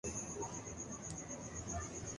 جو کوشش کی اس کا نتیجہ یہ ہے ۔